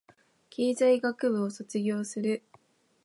経済学部を卒業する